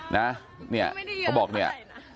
นะเขาบอกเนี่ย